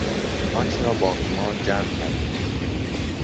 آنچه را باقی ماند جمع کردند